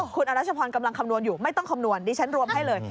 คุณอรัชพรกำลังคำนวณอยู่ไม่ต้องคำนวณดิฉันรวมให้เลย